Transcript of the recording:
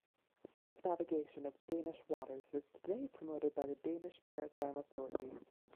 Safe navigation of Danish waters is today promoted by the Danish Maritime Authority.